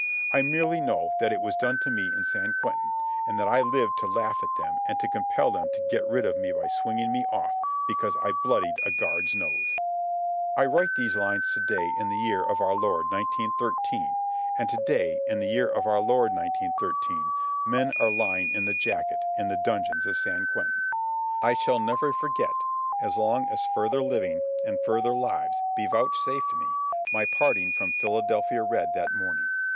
I merely know that it was done to me in San Quentin, and that I lived to laugh at them and to compel them to get rid of me by swinging me off because I bloodied a guard's nose. I write these lines to day in the Year of Our Lord 1913, and to day, in the Year of Our Lord 1913, men are lying in the jacket in the dungeons of San Quentin. I shall never forget, as long as further living and further lives be vouchsafed me, my parting from Philadelphia Red that morning.